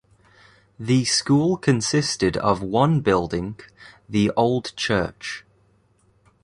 The school consisted of one building, the old church.